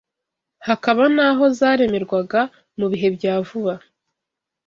hakaba n’aho zaremerwaga mu bihe bya vuba